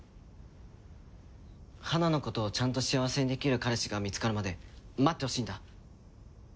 花の事をちゃんと幸せにできる彼氏が見つかるまで待ってほしいんだ。